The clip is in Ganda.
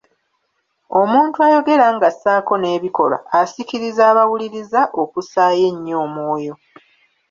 Omuntu ayogera ng'assaako n'ebikolwa asikiriza abawuliriza okussaayo ennyo omwoyo.